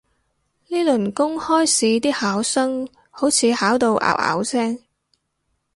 呢輪公開試啲考生好似考到拗拗聲